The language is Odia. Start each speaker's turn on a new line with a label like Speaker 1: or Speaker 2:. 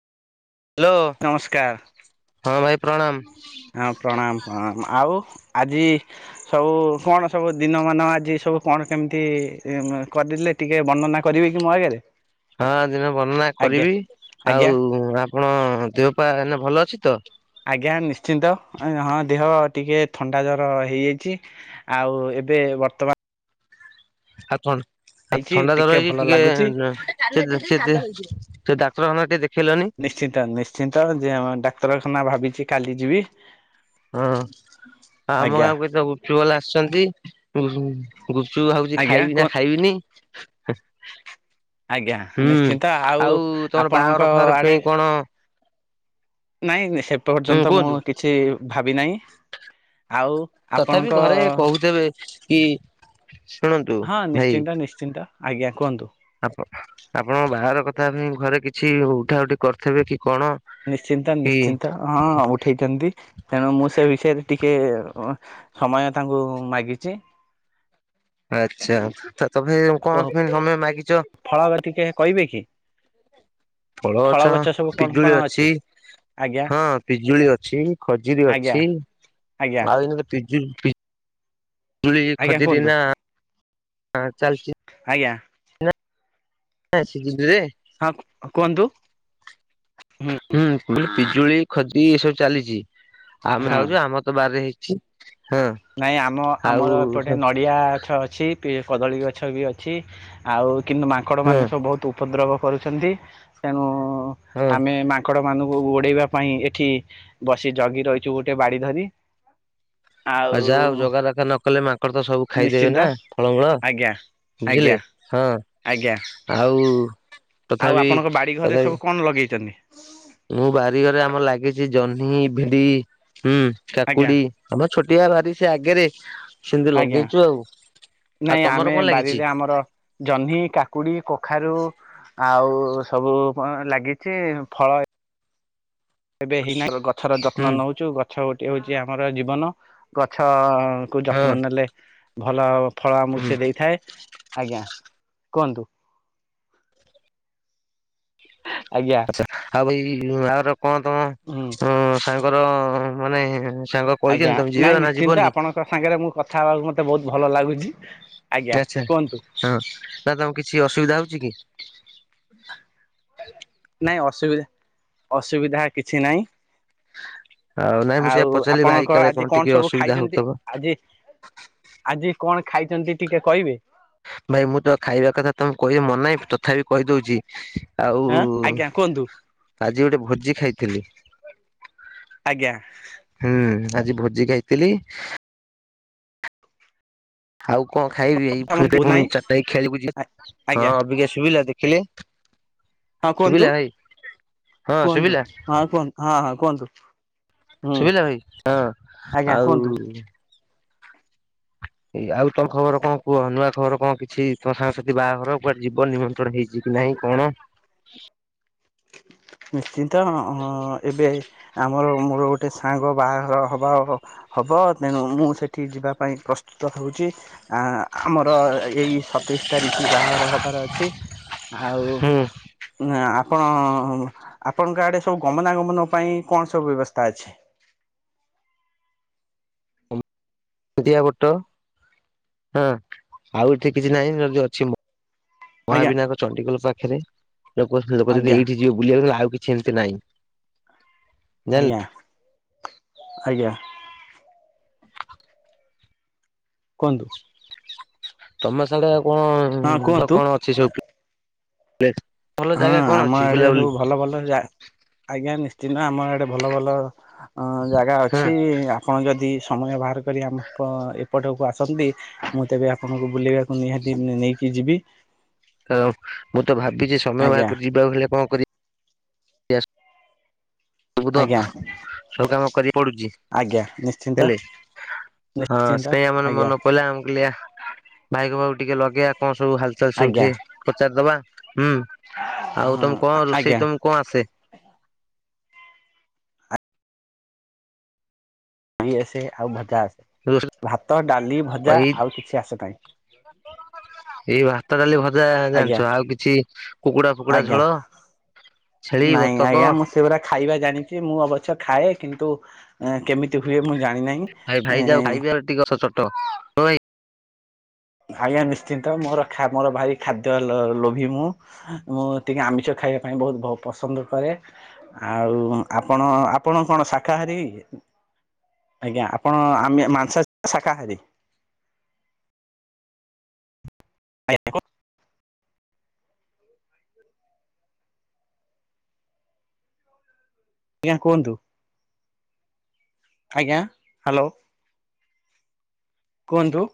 Speaker 1: ହାଲୋ
Speaker 2: ନମସ୍କାର
Speaker 1: ହଁ ଭାଇ ପ୍ରଣାମ।
Speaker 2: ହଁ ପ୍ରଣାମ ପ୍ରଣାମ। ଆଉ ଆଜି ସବୁ କଣ ସବୁ ଦିନ ମାନ ଆଜି ସବୁ କଣ କେମିତି କରିଲେ ଟିକେ ବର୍ଣନା କରିବେ କି ମୋ ଆଗରେ?
Speaker 1: ହଁ ଦିନ ବର୍ଣ୍ଣନା
Speaker 2: ଆଜ୍ଞା
Speaker 1: କରିବି।
Speaker 2: ଆଜ୍ଞା
Speaker 1: ଆଉ ଆପଣ ଦେହପା ଏଇନେ ଭଲ ଅଛି ତ?
Speaker 2: ଆଜ୍ଞା ନିଶ୍ଚିନ୍ତ। ହଁ ଦେହ ଟିକେ ଥଣ୍ଡା ଜର ହେଇଯାଇଚି। ଆଉ ଏବେ ବର୍ତ୍ତମା
Speaker 1: ଆଉ ଥନ୍
Speaker 2: ଯାଇଛି
Speaker 1: ଆଉ
Speaker 2: ଟିକେ
Speaker 1: ଥଣ୍ଡା
Speaker 2: ଭଲ
Speaker 1: ଜର
Speaker 2: ଲାଗୁଛି।
Speaker 1: ହେଇଚି ଟିକେ ସେ ସେ ଡାକ୍ତର ହେତିକା ଟିକେ ଦେଖେଇଲନି
Speaker 2: ନିଶ୍ଚନ୍ତ ନିଶ୍ଚିନ୍ତ ଯେ ଆମ ଡାକ୍ତରଖାନା ଭାବିଛି କାଲି ଯିବି
Speaker 1: ହଁ ଆଉ ଆମ
Speaker 2: ଆଜ୍ଞା
Speaker 1: ଗାଁକୁ ଏତେଠୁ ବାଲା ଆସିଛନ୍ତି ଗୁପଚୁପ ଭାବୁଚି
Speaker 2: ଆଜ୍ଞା
Speaker 1: ଖାଇବି ନା
Speaker 2: କୁହ
Speaker 1: ଖାଇବିନି
Speaker 2: ଆଜ୍ଞା
Speaker 1: ହୁଁ
Speaker 2: ନିଶ୍ଚିନ୍ତ
Speaker 1: ଆଉ ତମର
Speaker 2: ଆପଣଙ୍କ
Speaker 1: ବାଘର ଫାଘର ପାଇଁ କଣ
Speaker 2: ନାଇଁନାଇଁ ସେ
Speaker 1: ହୁଁ
Speaker 2: ପର୍ଯ୍ୟନ୍ତ ମୁଁ
Speaker 1: କୁହନ୍ତୁ
Speaker 2: କିଛି ଭାବି ନାହିଁ ଆଉ
Speaker 1: ତଥାପି
Speaker 2: ଆପଣଙ୍କ
Speaker 1: ଘରେ କହୁଥିବେ କି ଶୁଣନ୍ତୁ
Speaker 2: ହଁ ନିଶ୍ଚିନ୍ତ ନିଶ୍ଚିନ୍ତ ଆଜ୍ଞା କୁହନ୍ତୁ
Speaker 1: ଆପ ଆପଣ ବାହାର କଥା ପାଇଁ ଘରେ କିଛି ଉଠା ଉଠି କରିଥିବେ କି କଣ
Speaker 2: ନିଶ୍ଚିନ୍ତା
Speaker 1: କି
Speaker 2: ନିଶ୍ଚିନ୍ତା ହଁ ଉଠେଇଛନ୍ତି ତେଣୁ ମୁଁ ସେ ବିଷୟରେ ଟିକେ ସମୟ ତାଙ୍କୁ ମାଗିଛି
Speaker 1: ଆଚ୍ଛା ତ ତମେ କହନ୍ତି ତମେ ମାଗିଛ
Speaker 2: ଫଳ ଟିକେ କହିବେ କି
Speaker 1: ଫଳ ଗଛ ପିଜୁଳି ଅଛି
Speaker 2: ଆଜ୍ଞା
Speaker 1: ହଁ ପିଜୁଳି ଅଛି ଖଜୁରୀ
Speaker 2: ଆଜ୍ଞା
Speaker 1: ଅଛି
Speaker 2: ଆଜ୍ଞା
Speaker 1: ଆଉ ଏ ପିଜୁ ପିଜୁଳି
Speaker 2: ଆଜ୍ଞା
Speaker 1: ଖଦିରି
Speaker 2: କୁହନ୍ତୁ
Speaker 1: ନା ଚାଲିଛି
Speaker 2: ଆଜ୍ଞା
Speaker 1: ହଁ ସେଗଦିି
Speaker 2: ହଁ କୁହନ୍ତୁ ହୁଁ
Speaker 1: ହୁଁ ପିଜୁଳି ଖାଜିରି ଏସବୁ ଚାଲିଛି ଆମେ
Speaker 2: ହଁ।
Speaker 1: ଖାଉଛୁ ଆମ ବାର ହେଇଛି ହଁ
Speaker 2: ନାଇଁ ଆମ
Speaker 1: ଆଉ
Speaker 2: ଆମର ଏପଟେ
Speaker 1: ହଁ
Speaker 2: ନ ନଡିଆ ଗଛ ଅଛି କଦଳୀ ଗଛ ବି ଅଛି ଆଉ କିନ୍ତୁ ମାଙ୍କଡ ମାନେ ସବୁ ବହୁତ ଉପଦ୍ରବ କରୁଛନ୍ତି ତେଣୁ,
Speaker 1: ହଁ
Speaker 2: ଆମେ ମା ଙ୍କଡ଼ ମାନଙ୍କୁ ଗୋଡେଇବା ପାଇଁ ଏଠି ବସି ଜଗି ରହିଛୁ ଗୋଟେ ବାଡି ଧରି।
Speaker 1: ଆଉ ଯାହା ଆଉ ଜଗା ରଖା ନ କଲେ ମାଙ୍କଡ ତ ସବୁ ଖାଇଦେବେ
Speaker 2: ନିଶ୍ଚିନ୍ତ
Speaker 1: ନା ଫଳମୂଳ।
Speaker 2: ଆଜ୍ଞା।
Speaker 1: ବୁଝିଲେ
Speaker 2: ଆଜ୍ଞା
Speaker 1: ହଁ,
Speaker 2: ଆଜ୍ଞା
Speaker 1: ଆଉ
Speaker 2: ଆଉ
Speaker 1: ତଥାପି
Speaker 2: ଆପଣଙ୍କ ବାଡ଼ି ଘରେ
Speaker 1: ତଥାପି
Speaker 2: ସବୁ କଣ ଲଗେଇଚନ୍ତି?
Speaker 1: ମୁଁ ବାରିଘରେ ଆମର ଲାଗିଛି ଜହ୍ନି, ଭିଣ୍ଡି ହୁଁ
Speaker 2: ଆଜ୍ଞା
Speaker 1: କାକୁଡି ଆମ ଛୋଟିଆ ବାରି ସେ ଆଗରେ ସେମିତି
Speaker 2: ଆଜ୍ଞା।
Speaker 1: ଲଗେଇଚୁ ଆଉ, ଆଉ
Speaker 2: ନାଇଁ ଆମେ
Speaker 1: ତମର କଣ ଲାଗିଚି?
Speaker 2: ବାରିରେ ଆମର ଜହ୍ନି, କାକୁଡି, କଖାରୁ ଆଉ ସବୁ ଲାଗିଚି ଫଳ ଏବେ ହେଇନାହିଁ ଗଛର ଯତ୍ନ
Speaker 1: ହୁଁ।
Speaker 2: ନଉଚୁ ଗଛ ଗୋଟେ ହଉଛି ଆମର ଜୀବନ, ଗଛ କୁ
Speaker 1: ହଁ
Speaker 2: ଯତ୍ନ ନେଲେ ଭଲ ଫଳ ଆମକୁ
Speaker 1: ହୁଁ
Speaker 2: ସେ ଦେଇଥାଏ ଆଜ୍ଞା କୁହନ୍ତୁ। ଆଜ୍ଞା।
Speaker 1: ଆଚ୍ଛା ଆଉ ଏଇ ଆର କଣ
Speaker 2: ହୁଁ।
Speaker 1: ତମ ସାଙ୍ଗର ମାନେ ସାଙ୍ଗ କହିଚନ୍ତି ତମେ ଯିବ ନା ଯିବନି?
Speaker 2: ତାଙ୍କ ସାଙ୍ଗେରେ ମୁଁ କଥା ହବାକୁ ମତେ ବହୁତ୍ ଭଲ ଲାଗୁଚି।
Speaker 1: ଆଚ୍ଛା ହଁ ନା ତମ କିଛି ଅସୁବିଧା ହଉଚି କି?
Speaker 2: ନାଇଁ ଅସୁବିଧା-ଅସୁବିଧା କିଛି ନାହିଁ।
Speaker 1: ଆଉ ନାଇଁ ମୁଁ ସେଇଆ
Speaker 2: ଆଉ
Speaker 1: ପଚାରିଲି ଭାଇ
Speaker 2: ଆପଣଙ୍କ
Speaker 1: କାଳେ
Speaker 2: ଆଜି
Speaker 1: ଟିକେ
Speaker 2: କଣ ସବୁ
Speaker 1: ଅସୁବିଧା
Speaker 2: ଖାଇଚନ୍ତି
Speaker 1: ହଉଥିବ।
Speaker 2: ଆଜି? ଆଜି କଣ ଖାଇଚନ୍ତି ଟିକେ କହିବେ?
Speaker 1: ଭାଇ ମୁଁ ତ ଖାଇବା କଥା ତମକୁ କହିବା ମନେନାହିଁ ତଥାପି କହିଦଉଚି।
Speaker 2: ଆଁ
Speaker 1: ଆଉ
Speaker 2: ଆଜ୍ଞା କୁହନ୍ତୁ
Speaker 1: ଆଜି ଗୋଟେ ଭୋଜି ଖାଇଥିଲି।
Speaker 2: ଆଜ୍ଞା।
Speaker 1: ହୁଁ ଆଜି ଭୋଜି ଖାଇଥିଲି। ଆଉ କଣ ଖାଇବି ଏଇୁ
Speaker 2: ତମର ନାହିଁ
Speaker 1: [unintelligible] ଚାରିଟା ଖେଳିକୁ ଯିବି, ହଁ
Speaker 2: ଆଜ୍ଞା
Speaker 1: ଅବିକା ଶୁଭିଲା ଦେଖିଲେ?
Speaker 2: ହଁ କୁହନ୍ତୁ
Speaker 1: ଶୁଭିଲା ଭାଇ ହଁ
Speaker 2: କୁହନ୍ତୁ
Speaker 1: ଶୁଭିଲା
Speaker 2: ହଁ କୁହନ୍ତୁ ହଁ ହଁ କୁହନ୍ତୁ? ହୁଁ।
Speaker 1: ଶୁଭିଲା ଭାଇ, ହଁ
Speaker 2: ଆଜ୍ଞା କୁହନ୍ତୁ
Speaker 1: ଆଉ ଏଇ ଆଉ ତମ ଖବର କଣ କୁହ ନୂଆ ଖବର କଣ କିଛି, ତମ ସାଙ୍ଗସାଥି ବାହାଘର କୁଆଡେ ଯିବ ନିମନ୍ତ୍ରଣ ହେଇଛି। ଯିବି ନାହିଁ କଣ
Speaker 2: ନିଶ୍ଚିନ୍ତ ହଁ ଏବେ ଆମର ମୋର ଗୋଟେ ସାଙ୍ଗ ବାହାଘର ହବାର ହ ହବ ତେଣୁ ମୁଁ ସେଠି ଯିବା ପାଇଁ ପ୍ରସ୍ତୁତ ହେଉଛି। ଆ ଆମର ଏଇ ସତେଇଶି ତାରିକ୍ ବାହାଘର ହବାର ଅଛି। ଆଉ
Speaker 1: ହୁଁ
Speaker 2: ଆ ଆପଣ ଆପଣଙ୍କ ଆଡ଼େ ସବୁ ଗମନାଗମନ ପାଇଁ କଣ ସବୁ ବ୍ୟବସ୍ଥା ଅଛି?
Speaker 1: [unintelligible] ବଟ ହଁ ଆଉ ଏଠି କିଛି ନାହିଁ [unintelligible] ମ
Speaker 2: ଆଜ୍ଞା
Speaker 1: ମହାବିନାୟକ ଚଣ୍ଡଖୋଲ୍ ପାଖେରେ ଲୋକ ଲୋକ ଯଦି
Speaker 2: ଆଜ୍ଞା
Speaker 1: ଏଇଠି ଯିବ ବୁଲିଆକୁ ଆଉ କିଛି ଏମିତି ନାଇଁ।
Speaker 2: ଆଜ୍ଞା ଆଜ୍ଞା। କୁହନ୍ତୁ।
Speaker 1: ତମ ସାଡେ ଆଉ କଣ
Speaker 2: ହଁ
Speaker 1: ଆଉ
Speaker 2: କୁହନ୍ତୁ
Speaker 1: କଣ ଅଛି ସବୁ [unintelligible]
Speaker 2: ହଁ
Speaker 1: କଣ
Speaker 2: ଆମ
Speaker 1: ଅଛି
Speaker 2: ଆଡେ
Speaker 1: ବୁଲାବୁଲି
Speaker 2: ସବୁ ଭଲ ଭଲ ଯା ଆଜ୍ଞା ନିଶ୍ଚିନ୍ତ, ଆମ ଆଡେ ଭଲ ଭଲ ଜାଗା ଅଛି ଆ ଆପଣ ଯଦି ସମୟ ବାହାର କରି ଆମ ଏପଟକୁ ଆସନ୍ତି ମୁଁ ତେବେ ଆପଣଙ୍କୁ ବୁଲେଇବାକୁ ନିହାତି ନେଇକି ଯିବି।
Speaker 1: କାରଣ ମୁଁ ତ ଭାବିଛି ସମୟ ବାହାର
Speaker 2: ଆଜ୍ଞା
Speaker 1: କରି ଯିବାକୁ ହେଲେ କଣ କରିବି? ସବୁତ
Speaker 2: ଆଜ୍ଞା
Speaker 1: ସବୁ କାମ କରିଆକୁ ପଡୁଚି।
Speaker 2: ଆଜ୍ଞା ନିଶ୍ଚିନ୍ତ
Speaker 1: ହେଲେ ହଁ
Speaker 2: ନିଶ୍ଚିନ୍ତ
Speaker 1: ସେୟା ଆମର
Speaker 2: ଆଜ୍ଞା
Speaker 1: ମନେ ପଡ଼ିଲା ମୁଁ କହିଲି ଆ ଭାଇଙ୍କ ପାଖକୁ ଟିକେ ଲଗେଇବା କଣ ସବୁ ହାଲଚାଲ୍ ସବୁ
Speaker 2: ଆଜ୍ଞା
Speaker 1: ଟିକେ ପଚାରିଦେବା ହୁଁ। ଆଉ
Speaker 2: ହଁ
Speaker 1: ତମୁକୁ କଣ ରୋଷେଇ
Speaker 2: ଆଜ୍ଞା
Speaker 1: ତମୁକୁ କଣ ଆସେ?
Speaker 2: [unintelligible] ଆସେ ଆଉ ଭଜା ଆସେ ଭାତ ଡାଲି ଭଜା,
Speaker 1: ଏଇ
Speaker 2: ଆଉ କିଛି ଆସେ ନାହିଁ।
Speaker 1: ଏଇ ଭା ଭାତ ଡାଲି ଭଜା
Speaker 2: ଆଜ୍ଞା
Speaker 1: ଜାଣିଛ, ଆଉ କିଛି କୁକୁଡା ଫୁକୁଡା
Speaker 2: ଆଜ୍ଞା
Speaker 1: ଛୋଳ? ଛେଳି ବତକ
Speaker 2: ସେ ଗୁରା ଖାଇବା ଜାଣିଛି, ମୁଁ ଅବଶ୍ୟ ଖାଏ କିନ୍ତୁ ଏ କେମିତି ହୁଏ ମୁଁ ଜାଣିନାହିଁ,
Speaker 1: ଭାଇ ଭାଇ ଯାଉ
Speaker 2: ଏଁ
Speaker 1: [unintelligible]
Speaker 2: ଆଜ୍ଞା ନିଶ୍ଚିନ୍ତ ମୋର ମୋର ଭାଇ ଖାଦ୍ୟ ଲୋଭି ମୁଁ। ମୁଁ ଟିକେ ଆମିଷ ଖାଇବା ପାଇଁ ବହୁତ ବହୁ ପସନ୍ଦ କରେ। ଆଉ ଆପଣ ଆପଣ କଣ ଶାକାହାରୀ? ଆଜ୍ଞା ଆପଣ ଆମେ ମା ମାଂସାସୀ ନା ଶାକାହାରୀ?
Speaker 1: [unintelligible] [unintelligible]
Speaker 2: ଆଜ୍ଞା କୁହନ୍ତୁ? ଆଜ୍ଞା ହାଲୋ କୁହନ୍ତୁ?